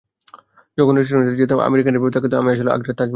যখন রেস্টুরেন্টে যেতাম আমেরিকানরা এমনভাবে তাকাত যেন আমি আসলে আগ্রার তাজমহল।